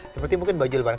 seperti mungkin baju lebaran